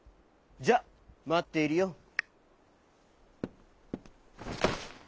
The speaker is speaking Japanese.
じゃあまっているよ」。